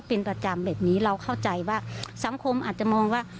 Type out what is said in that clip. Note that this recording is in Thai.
เป็นประจำแบบนี้เราเข้าใจว่าสังคมอาจจะมองว่า